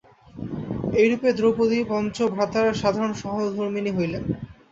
এইরূপে দ্রৌপদী পঞ্চভ্রাতার সাধারণ সহধর্মিণী হইলেন।